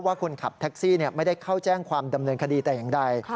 คนขับแท็กซี่ไม่ได้เข้าแจ้งความดำเนินคดีแต่อย่างใด